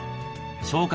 消化